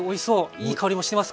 いい香りもしてます